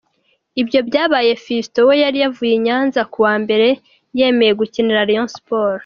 Ibyo byabaye Fiston we yari yavuye i Nyanza kuwa Mbere yemeye gukinira Rayon Sports.